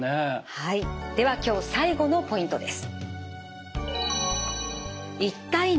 はいでは今日最後のポイントです。